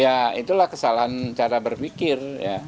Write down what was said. ya itulah kesalahan cara berpikir